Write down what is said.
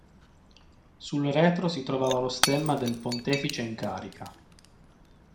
Sul retro si trovava lo stemma del pontefice in carica.